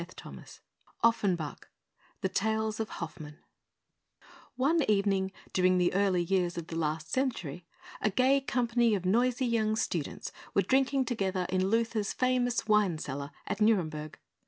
THE TALES OF HOFFMANN (Les Contes d'Hoffmann) One evening during the early years of the last century, a gay company of noisy young students were drinking together in Luther's famous wine cellar at Nuremberg.